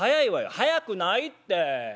「早くないってえ。